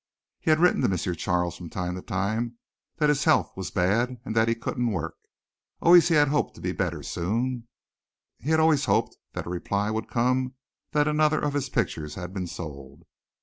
He had written to M. Charles from time to time that his health was bad and that he couldn't work always that he hoped to be better soon. He had always hoped that a reply would come that another of his pictures had been sold.